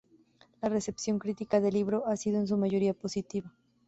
La recepción crítica del libro ha sido en su mayoría positiva.